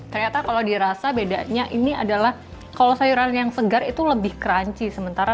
ternyata kalau dirasa bedanya ini adalah kalau sayuran yang segar itu lebih crunchy sementara